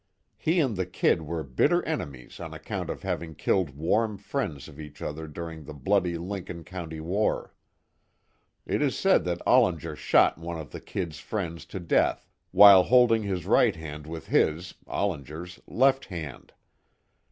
He and the "Kid" were bitter enemies on account of having killed warm friends of each other during the bloody Lincoln County war. It is said that Ollinger shot one of the "Kid's" friends to death while holding his right hand with his, Ollinger's, left hand.